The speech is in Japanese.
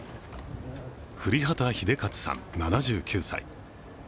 降籏英捷さん７９歳。